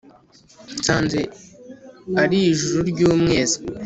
Nsanze ari ijuru ry'umwezi